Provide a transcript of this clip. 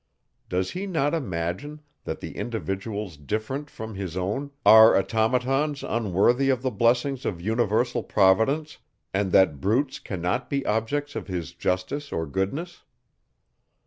Does he not imagine, that the individuals different from his own are automatons unworthy of the blessings of universal providence, and that brutes cannot be objects of his justice or goodness?